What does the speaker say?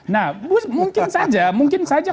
nah mungkin saja mungkin saja